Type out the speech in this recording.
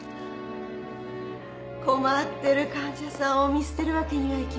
困ってる患者さんを見捨てるわけにはいきません。